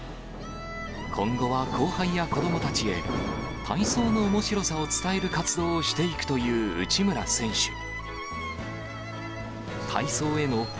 今後は後輩や子どもたちへ、体操のおもしろさを伝える活動をしていくという内村選手。